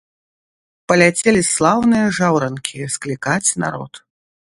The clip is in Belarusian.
Паляцелі слаўныя жаўранкі склікаць народ.